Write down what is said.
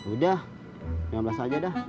udah enam belas aja dah